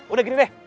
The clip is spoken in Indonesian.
udah gini deh